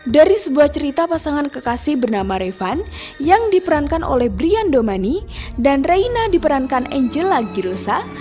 dari sebuah cerita pasangan kekasih bernama revan yang diperankan oleh brian domani dan reina diperankan angela girlsa